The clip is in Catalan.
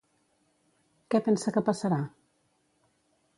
Què pensa què passarà?